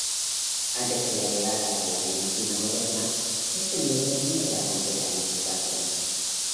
Antes de la llegada de la medicina moderna este miedo no era completamente irracional.